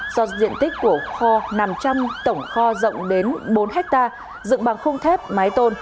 do diện tích của kho năm trăm linh tổng kho rộng đến bốn hectare dựng bằng khung thép mái tôn